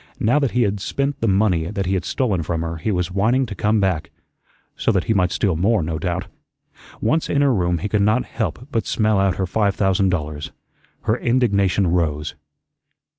Now that he had spent the money that he had stolen from her, he was whining to come back so that he might steal more, no doubt. Once in her room he could not help but smell out her five thousand dollars. Her indignation rose.